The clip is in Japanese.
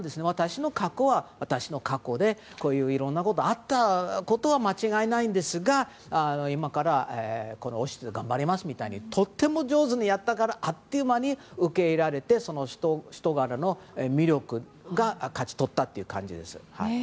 私の過去は私の過去でいろんなことあったことは間違いないんですが今から王室で頑張りますととっても上手にやったからあっという間に受け入れられて、人柄の魅力が勝ち取ったという感じです。